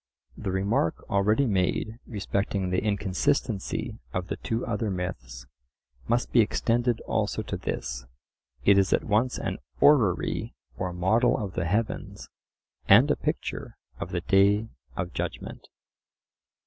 The remark already made respecting the inconsistency of the two other myths must be extended also to this: it is at once an orrery, or model of the heavens, and a picture of the Day of Judgment.